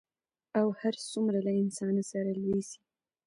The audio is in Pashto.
که هر څومره له انسانه سره لوی سي